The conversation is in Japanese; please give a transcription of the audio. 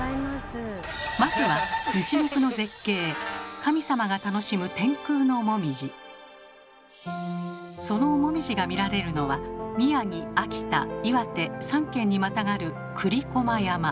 まずはそのもみじが見られるのは宮城・秋田・岩手３県にまたがる栗駒山。